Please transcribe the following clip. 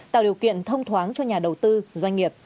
tạo điều kiện thông thoáng cho nhà đầu tư doanh nghiệp